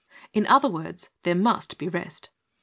In other words, there must be rest.